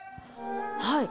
はい。